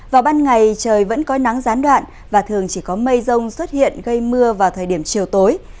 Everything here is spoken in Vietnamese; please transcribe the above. vào ban ngày trời vẫn có nắng gián đoạn và thường chỉ có mây rông xuất hiện gây mưa vào thời điểm chiều tối